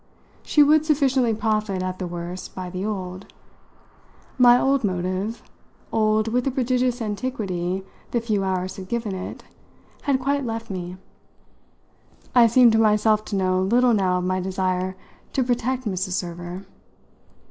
She would sufficiently profit, at the worst, by the old. My old motive old with the prodigious antiquity the few hours had given it had quite left me; I seemed to myself to know little now of my desire to "protect" Mrs. Server.